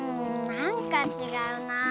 なんかちがうな。